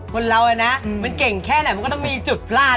คนเรานะมันเก่งแค่ไหนมันก็ต้องมีจุดพลาด